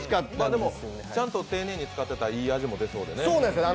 でも、ちゃんと丁寧に使ってたいい味が出ててね。